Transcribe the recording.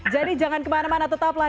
jadi jangan kemana mana tetaplah